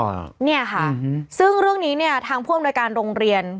เนี่ยค่ะซึ่งเรื่องนี้เนี่ยทางผู้อำนวยการโรงเรียน